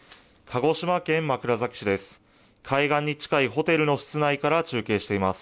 鹿児島県枕崎市です。